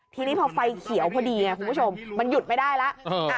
ทีนี้พอไฟเขียวพอดีไงคุณผู้ชมมันหยุดไม่ได้แล้ว